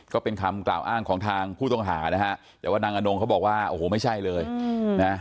ก็เป็นคำกล่าวอ้างของทางผู้ต้องหานะฮะแต่ว่านางอนงเขาบอกว่าโอ้โหไม่ใช่เลยนะ